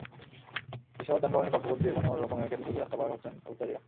এসব যানবাহনের ফাঁকফোকর দিয়ে কোনো রকমে ঠেলেঠুলে রাস্তা পার হচ্ছেন পথচারীরা।